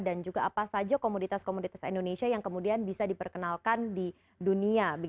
dan juga apa saja komoditas komoditas indonesia yang kemudian bisa diperkenalkan di dunia